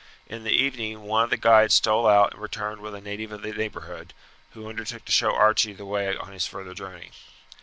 In the evening one of the guides stole out and returned with a native of the neighbourhood, who undertook to show Archie the way on his further journey.